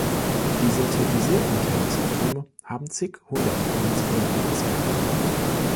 Die synthetisierten Tenness-Atome haben zighundert Millisekunden ausgehalten.